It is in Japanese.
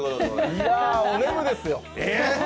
いや、おねむですよ。